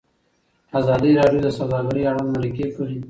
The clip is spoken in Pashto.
ازادي راډیو د سوداګري اړوند مرکې کړي.